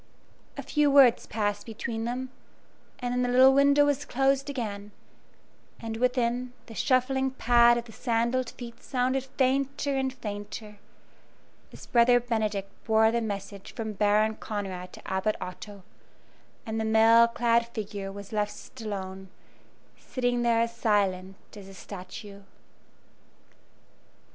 A few words passed between them, and then the little window was closed again; and within, the shuffling pat of the sandalled feet sounded fainter and fainter, as Brother Benedict bore the message from Baron Conrad to Abbot Otto, and the mail clad figure was left alone, sitting there as silent as a statue.